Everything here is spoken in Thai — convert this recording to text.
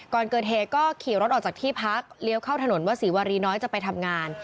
ก่อนเกิดเหตุก็ขี่รถออกจากที่พักเลี้ยวเข้าถนนวศรีวารีน้อยจะไปทำงาน